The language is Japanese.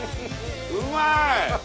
うまーい！